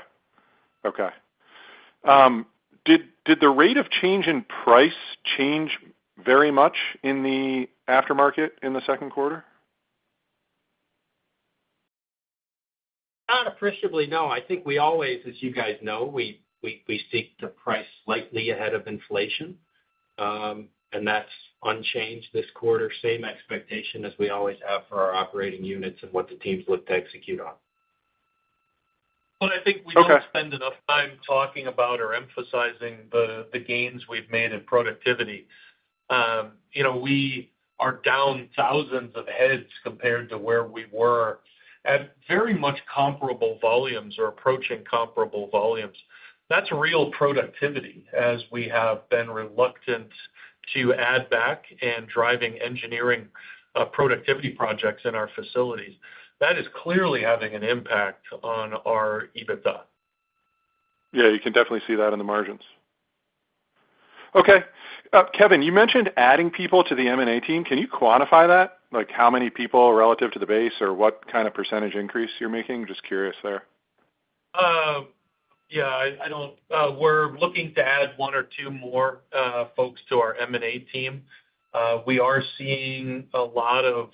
Did the rate of change in price change very much in the aftermarket in the second quarter? Not appreciably, no. I think we always, as you guys know, we seek to price slightly ahead of inflation, and that's unchanged this quarter. Same expectation as we always have for our operating units and what the teams look to execute on. But I think we don't spend enough time talking about or emphasizing the gains we've made in productivity. You know, we are down thousands of heads compared to where we were at very much comparable volumes or approaching comparable volumes. That's real productivity, as we have been reluctant to add back and driving engineering productivity projects in our facilities. That is clearly having an impact on our EBITDA. Yeah, you can definitely see that in the margins. Okay. Kevin, you mentioned adding people to the M&A team. Can you quantify that? Like, how many people relative to the base, or what kind of percentage increase you're making? Just curious there. Yeah, I don't. We're looking to add 1 or 2 more folks to our M&A team. We are seeing a lot of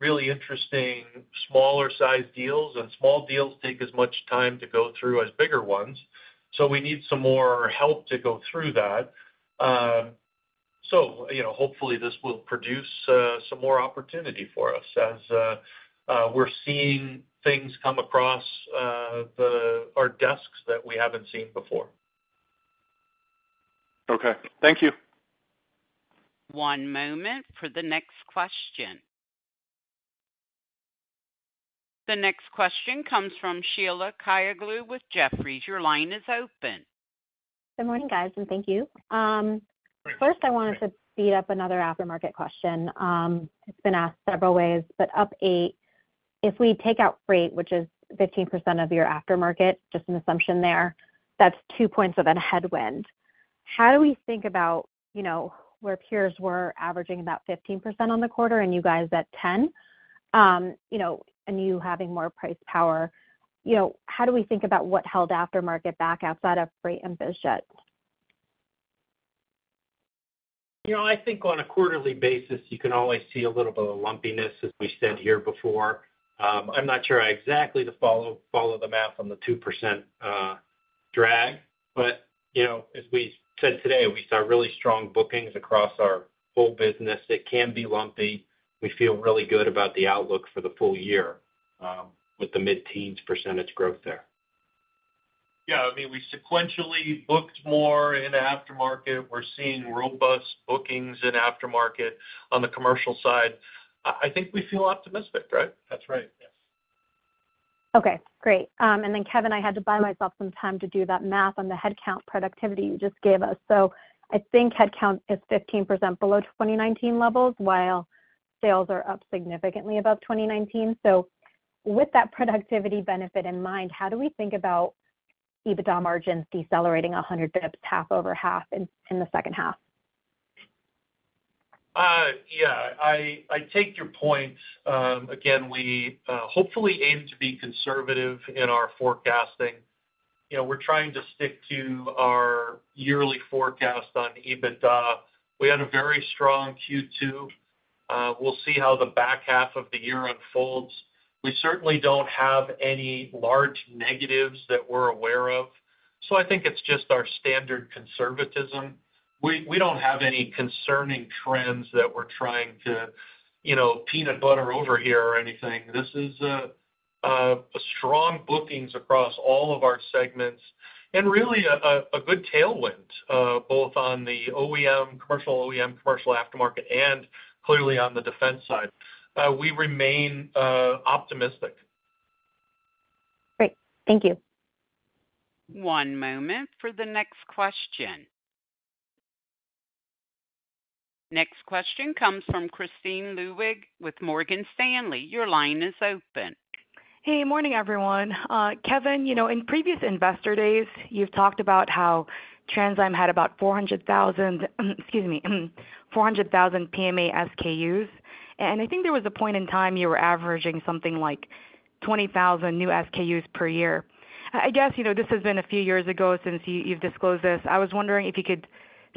really interesting smaller-sized deals, and small deals take as much time to go through as bigger ones. So we need some more help to go through that. So, you know, hopefully, this will produce some more opportunity for us as we're seeing things come across our desks that we haven't seen before. Okay. Thank you. One moment for the next question. The next question comes from Sheila Kahyaoglu with Jefferies. Your line is open. Good morning, guys, and thank you. First, I wanted to tee up another aftermarket question. It's been asked several ways, but up 8, if we take out freight, which is 15% of your aftermarket, just an assumption there, that's 2 points of a headwind. How do we think about, you know, where peers were averaging about 15% on the quarter and you guys at 10, you know, and you having more price power, you know, how do we think about what held aftermarket back outside of freight and biz jet? You know, I think on a quarterly basis, you can always see a little bit of lumpiness, as we said here before. I'm not sure exactly to follow the math on the 2%, drag. But, you know, as we said today, we saw really strong bookings across our full business. It can be lumpy. We feel really good about the outlook for the full year, with the mid-teens % growth there. Yeah, I mean, we sequentially booked more in the aftermarket. We're seeing robust bookings in aftermarket on the commercial side. I, I think we feel optimistic, right? That's right, yes. Okay, great. And then, Kevin, I had to buy myself some time to do that math on the headcount productivity you just gave us. So I think headcount is 15% below 2019 levels, while sales are up significantly above 2019. So with that productivity benefit in mind, how do we think about EBITDA margins decelerating 100 dips half-over-half in the second half? .Yeah, I take your point. Again, we hopefully aim to be conservative in our forecasting. You know, we're trying to stick to our yearly forecast on EBITDA. We had a very strong Q2. We'll see how the back half of the year unfolds. We certainly don't have any large negatives that we're aware of, so I think it's just our standard conservatism. We don't have any concerning trends that we're trying to, you know, peanut butter over here or anything. This is a strong bookings across all of our segments and really a good tailwind both on the OEM, commercial OEM, commercial aftermarket, and clearly on the defense side. We remain optimistic. Great. Thank you. One moment for the next question. Next question comes from Kristine Liwag with Morgan Stanley. Your line is open. Hey, morning, everyone. Kevin, you know, in previous investor days, you've talked about how TransDigm had about 400,000, excuse me, 400,000 PMA SKUs, and I think there was a point in time you were averaging something like 20,000 new SKUs per year. I guess, you know, this has been a few years ago since you, you've disclosed this. I was wondering if you could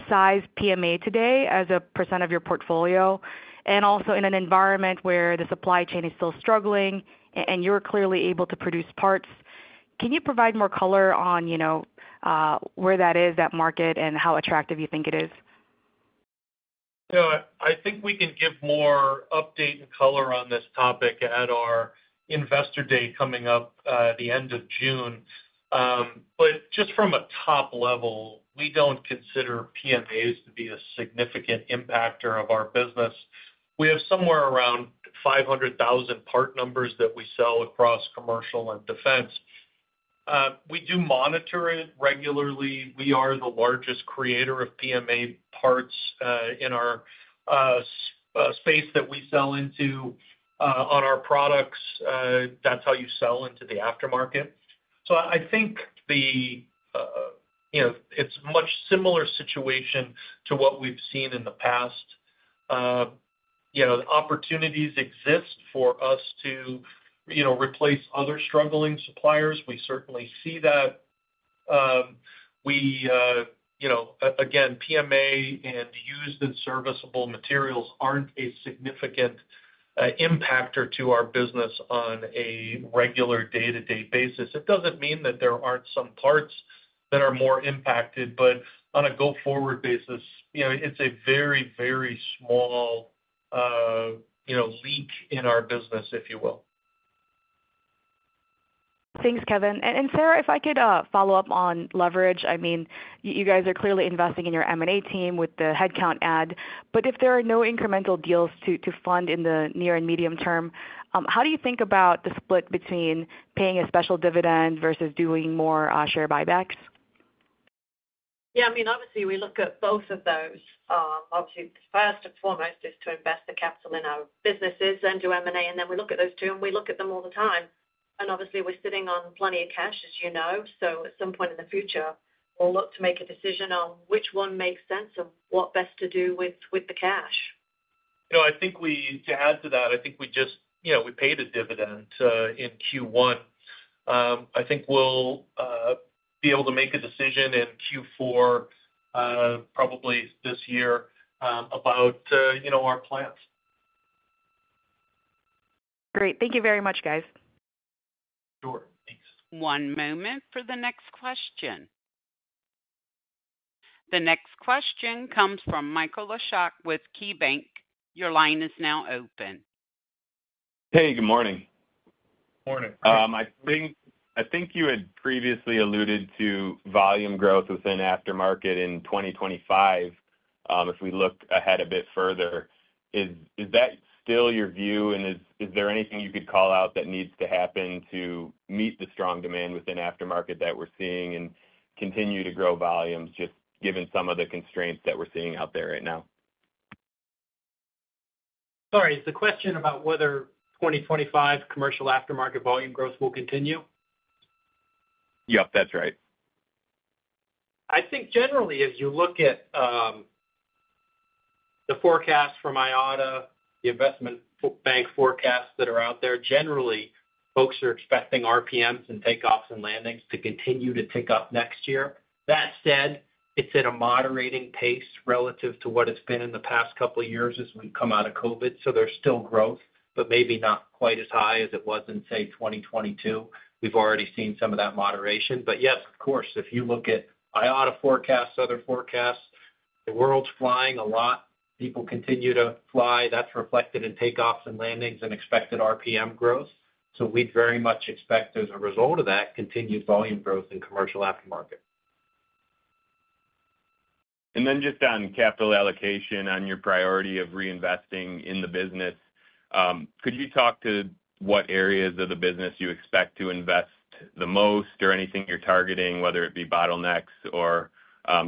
size PMA today as a % of your portfolio, and also in an environment where the supply chain is still struggling and, and you're clearly able to produce parts, can you provide more color on, you know, where that is, that market, and how attractive you think it is? Yeah, I think we can give more update and color on this topic at our investor day coming up, at the end of June. But just from a top level, we don't consider PMAs to be a significant impactor of our business. We have somewhere around 500,000 part numbers that we sell across commercial and defense. We do monitor it regularly. We are the largest creator of PMA parts, in our, space that we sell into, on our products. That's how you sell into the aftermarket. So I think the, you know, it's much similar situation to what we've seen in the past. You know, the opportunities exist for us to, you know, replace other struggling suppliers. We certainly see that. We, you know, again, PMA and used and serviceable materials aren't a significant impactor to our business on a regular day-to-day basis. It doesn't mean that there aren't some parts that are more impacted, but on a go-forward basis, you know, it's a very, very small, you know, leak in our business, if you will. Thanks, Kevin. And Sarah, if I could follow up on leverage. I mean, you guys are clearly investing in your M&A team with the headcount add, but if there are no incremental deals to fund in the near and medium term, how do you think about the split between paying a special dividend versus doing more share buybacks? Yeah, I mean, obviously, we look at both of those. Obviously, first and foremost is to invest the capital in our businesses and do M&A, and then we look at those two, and we look at them all the time. And obviously, we're sitting on plenty of cash, as you know, so at some point in the future, we'll look to make a decision on which one makes sense and what best to do with the cash. You know, to add to that, I think we just, you know, we paid a dividend in Q1. I think we'll be able to make a decision in Q4, probably this year, about, you know, our plans. Great. Thank you very much, guys. Sure. Thanks. One moment for the next question. The next question comes from Michael Leshock with KeyBank. Your line is now open. Hey, good morning. Morning. I think you had previously alluded to volume growth within aftermarket in 2025, if we look ahead a bit further. Is, is that still your view, and is, is there anything you could call out that needs to happen to meet the strong demand within aftermarket that we're seeing and continue to grow volumes, just given some of the constraints that we're seeing out there right now? Sorry, is the question about whether 2025 commercial aftermarket volume growth will continue? Yep, that's right. I think generally, as you look at the forecast from IATA, the investment bank forecasts that are out there, generally, folks are expecting RPMs and takeoffs and landings to continue to tick up next year. That said, it's at a moderating pace relative to what it's been in the past couple of years as we come out of COVID. So there's still growth, but maybe not quite as high as it was in, say, 2022. We've already seen some of that moderation. But yes, of course, if you look at IATA forecasts, other forecasts, the world's flying a lot. People continue to fly. That's reflected in takeoffs and landings and expected RPM growth. So we'd very much expect, as a result of that, continued volume growth in commercial aftermarket. Just on capital allocation, on your priority of reinvesting in the business, could you talk to what areas of the business you expect to invest the most or anything you're targeting, whether it be bottlenecks or,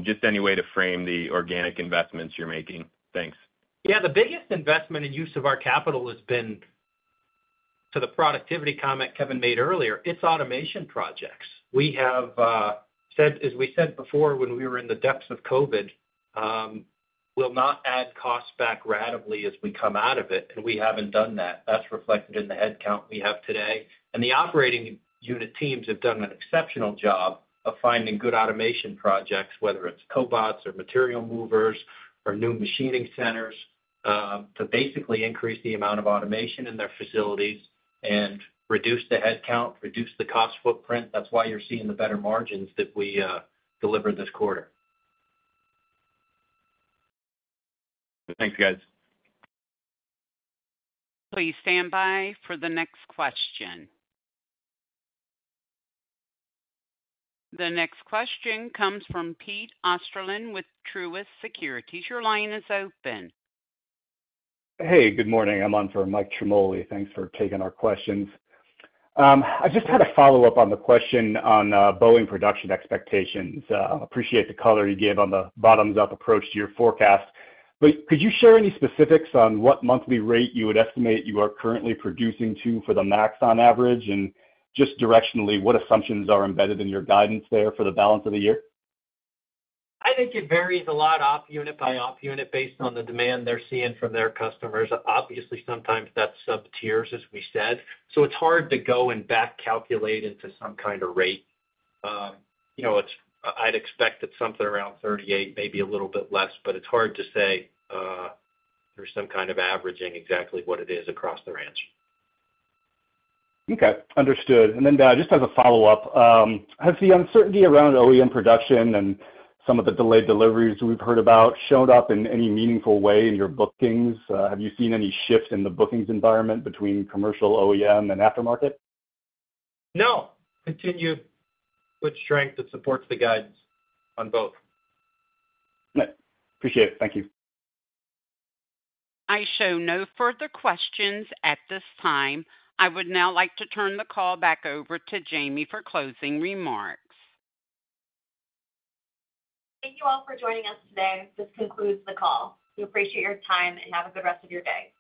just any way to frame the organic investments you're making? Thanks. Yeah, the biggest investment and use of our capital has been. To the productivity comment Kevin made earlier, it's automation projects. We have said, as we said before, when we were in the depths of COVID, we'll not add costs back ratably as we come out of it, and we haven't done that. That's reflected in the headcount we have today. And the operating unit teams have done an exceptional job of finding good automation projects, whether it's cobots or material movers or new machining centers, to basically increase the amount of automation in their facilities and reduce the headcount, reduce the cost footprint. That's why you're seeing the better margins that we delivered this quarter. Thanks, guys. Please stand by for the next question. The next question comes from Peter Osterland with Truist Securities. Your line is open. Hey, good morning. I'm on for Mike Ciarmoli. Thanks for taking our questions. I just had a follow-up on the question on Boeing production expectations. Appreciate the color you gave on the bottoms-up approach to your forecast. But could you share any specifics on what monthly rate you would estimate you are currently producing to for the MAX on average? And just directionally, what assumptions are embedded in your guidance there for the balance of the year? I think it varies a lot op unit by op unit based on the demand they're seeing from their customers. Obviously, sometimes that's sub-tiers, as we said, so it's hard to go and back calculate it to some kind of rate. You know, it's. I'd expect it's something around 38, maybe a little bit less, but it's hard to say through some kind of averaging exactly what it is across the range. Okay, understood. And then, just as a follow-up, has the uncertainty around OEM production and some of the delayed deliveries we've heard about showed up in any meaningful way in your bookings? Have you seen any shifts in the bookings environment between commercial OEM and aftermarket? No. Continued good strength that supports the guidance on both. Right. Appreciate it. Thank you. I show no further questions at this time. I would now like to turn the call back over to Jaimie for closing remarks. Thank you all for joining us today. This concludes the call. We appreciate your time, and have a good rest of your day.